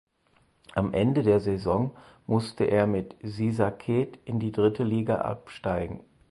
Am Ende der Saison musste er mit Sisaket in die dritte Liga absteigen.